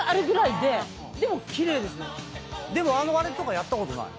でもあれとかやったことない。